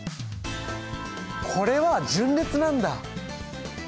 これは順列なんだ。